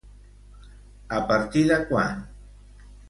A partir de quan?